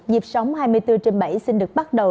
nhịp sống hai mươi bốn trên bảy xin được bắt đầu